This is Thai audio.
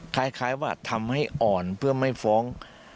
คล้ายว่าทำให้อ่อนเพื่อไม่ฟ้อง